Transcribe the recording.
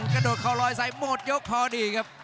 กระดวนเขารอยใสหมดยกพอดีครับ